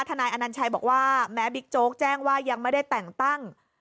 นายอนัญชัยบอกว่าแม้บิ๊กโจ๊กแจ้งว่ายังไม่ได้แต่งตั้ง